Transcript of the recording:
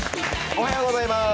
おはようございます。